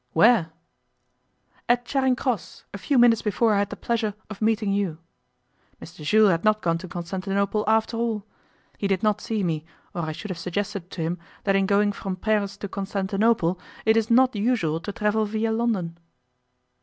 'Where?' 'At Charing Cross, a few minutes before I had the pleasure of meeting you. Mr Jules had not gone to Constantinople after all. He did not see me, or I should have suggested to him that in going from Paris to Constantinople it is not usual to travel via London.